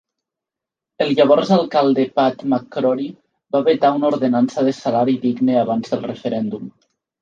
El llavors alcalde Pat McCrory va vetar una ordenança de salari digne abans del referèndum.